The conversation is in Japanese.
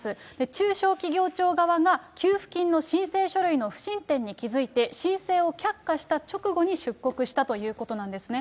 中小企業庁側が給付金の申請書類の不審点に気付いて申請を却下した直後に出国したということなんですね。